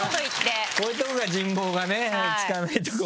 こういうとこが人望がねつかないところ。